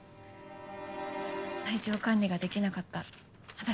体調管理ができなかった私の責任です。